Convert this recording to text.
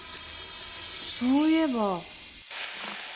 そういえば。